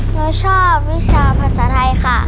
หนูชอบวิชาภาษาไทยค่ะ